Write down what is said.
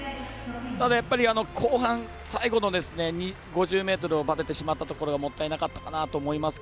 ただ、やっぱり後半最後の５０ｍでばててしまったところがもったいなかったなと思います。